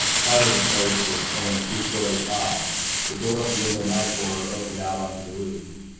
Part of the place was only two stories high. The door at the end of my corridor opened out onto the roof.